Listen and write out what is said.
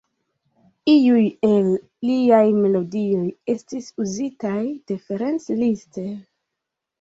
Iuj el liaj melodioj estis uzitaj de Ferenc Liszt.